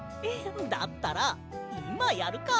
だったらいまやるか！